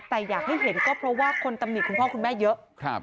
แต่อยากให้เห็นก็เพราะว่าคนตำหนิคุณพ่อคุณแม่เยอะ